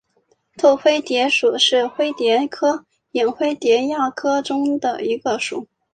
拓灰蝶属是灰蝶科眼灰蝶亚科中的一个属。